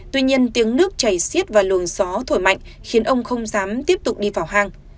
tuy nhiên tiếng nước chảy xiết và luồng gió thổi mạnh khiến ông không dám tiếp tục đi vào hang